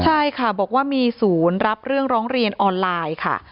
ใช่ค่ะบอกว่ามีศูนย์รับเรื่องร้องเรียนออนไลน์ค่ะ